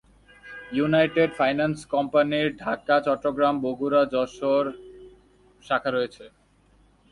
United Finance কোম্পানির ঢাকা, চট্টগ্রাম, বগুড়া, যশোর, গাজীপুর, সিলেট, রংপুর, চুয়াডাঙ্গা, বরিশাল, নোয়াখালী, রাজশাহী, খুলনা ও ময়মনসিংহে শাখা রয়েছে।